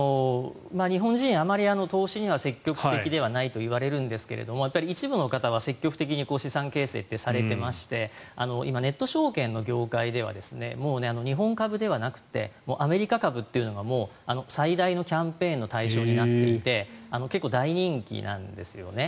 日本人、あまり投資には積極的ではないといわれるんですが一部の方は積極的に資産形成ってされていまして今、ネット証券の業界ではもう日本株ではなくてアメリカ株というのが最大のキャンペーンの対象になっていて結構大人気なんですよね。